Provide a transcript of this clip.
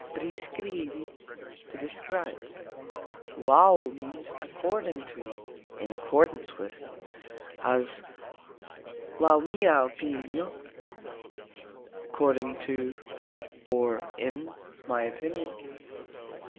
"Priskribi", to describe. "Laux" means "according to, in accordance with", as "Laux mia opinio", According to (or, in) my opinion.